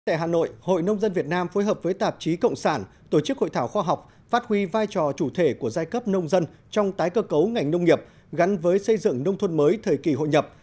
tại hà nội hội nông dân việt nam phối hợp với tạp chí cộng sản tổ chức hội thảo khoa học phát huy vai trò chủ thể của giai cấp nông dân trong tái cơ cấu ngành nông nghiệp gắn với xây dựng nông thôn mới thời kỳ hội nhập